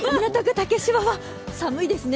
竹芝は寒いですね。